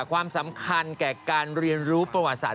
ความสำคัญแก่การเรียนรู้ประวัติศาสต